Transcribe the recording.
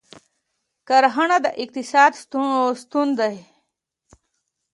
کرهڼه د اقتصاد ستون دی